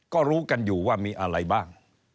ก็รู้กันอยู่ว่ามีอะไรบ้าง